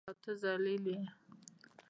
او ته ذلیل یې.